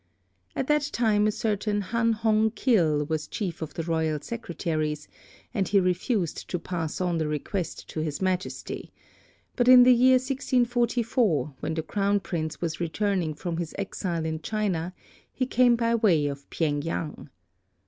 At that time a certain Han Hong kil was chief of the Royal Secretaries, and he refused to pass on the request to his Majesty; but in the year 1644, when the Crown Prince was returning from his exile in China, he came by way of Pyeng yang.